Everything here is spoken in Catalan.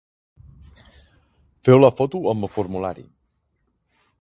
Feu la foto amb el formulari.